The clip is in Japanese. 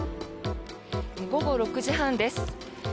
午後６時半です。